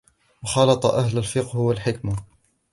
وَخَالَطَ أَهْلَ الْفِقْهِ وَالْحِكْمَةِ